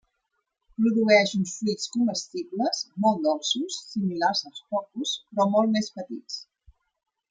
Produeix uns fruits comestibles, molt dolços, similars als cocos, però molt més petits.